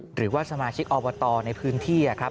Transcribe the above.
หรือว่าสมาชิกอวตอร์ในพื้นที่